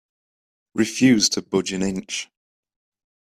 Refuse to budge an inch